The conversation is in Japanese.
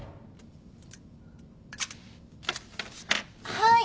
はい。